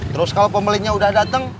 terus kalau pembelinya udah datang